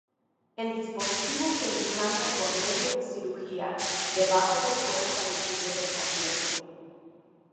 El dispositivo se implanta por medio de cirugía debajo del cuero cabelludo del paciente.